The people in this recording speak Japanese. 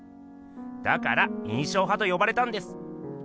だから「印象派」と呼ばれたんです。